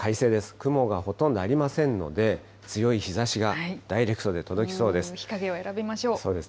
雲がほとんどありませんので、強い日ざしがダイレクトで届きそうです。